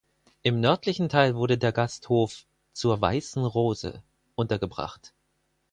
Im nördlichen Teil wurde der Gasthof „Zur weißen Rose“ untergebracht.